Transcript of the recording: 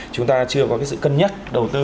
chúng ta chưa có cái sự cân nhắc đầu tư